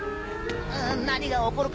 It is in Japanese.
何が起こるか